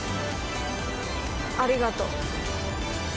ありがとう。